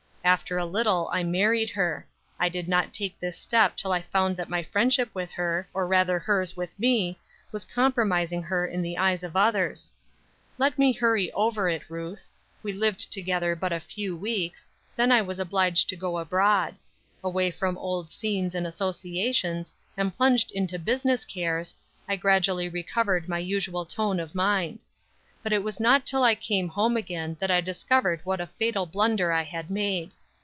After a little I married her. I did not take this step till I found that my friendship with her, or, rather hers with me, was compromising her in the eyes of others. Let me hurry over it, Ruth. We lived together but a few weeks; then I was obliged to go abroad. Away from old scenes and associations, and plunged into business cares, I gradually recovered my usual tone of mind. But it was not till I came home again that I discovered what a fatal blunder I had made.